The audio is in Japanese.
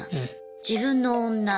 自分の女